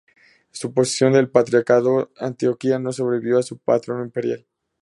Su posesión del patriarcado de Antioquía no sobrevivió a su patrono imperial.